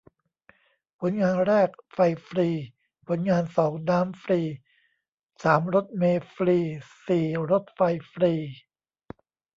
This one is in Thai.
ผลงานแรก ไฟฟรี ผลงานสอง น้ำฟรี สาม รถเมล์ฟรี สี่ รถไฟฟรี